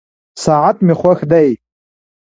ساعت مي خوښ دی.